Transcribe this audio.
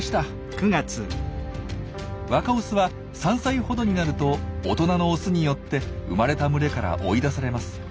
若オスは３歳ほどになると大人のオスによって生まれた群れから追い出されます。